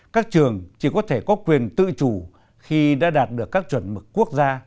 các trường chỉ có thể có quyền tự chủ khi đã đạt được các chuẩn mực quốc gia